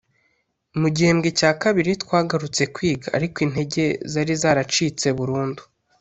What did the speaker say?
Mu gihembwe cya kabiri twagarutse kwiga ariko intege zari zaracitse burundu